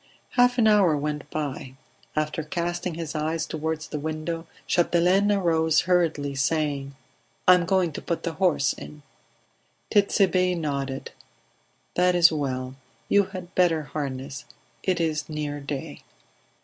Half an hour went by; after casting his eyes toward the window Chapdelaine arose hurriedly, saying. "I am going to put the horse in." Tit'Sebe nodded. "That is well; you had better harness; it is near day."